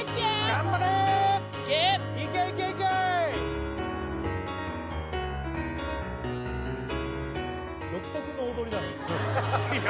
・頑張れ・いけ・いけいけいけ独特な踊りだねいいよ